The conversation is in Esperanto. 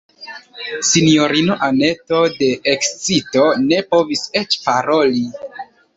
Sinjorino Anneto de ekscito ne povis eĉ paroli.